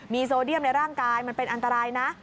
มีโซเดียมในร่างกายมันเป็นอันตรายนะ